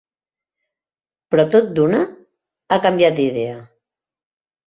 Però tot d’una ha canviat d’idea.